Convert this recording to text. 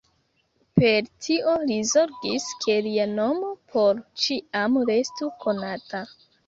Per tio li zorgis ke lia nomo por ĉiam restu konata.